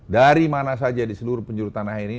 dari mana saja di seluruh penjuru tanah ini